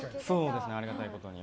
ありがたいことに。